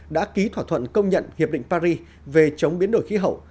đã ký thỏa thuận công nhận hiệp định paris về chống biến đổi khí hậu